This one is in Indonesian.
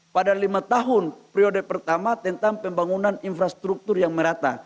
pada lima tahun periode pertama tentang pembangunan infrastruktur yang merata